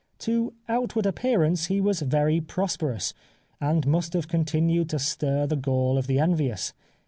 To outward appearance he was very prosperous, and must have continued to stir the gall of the envious.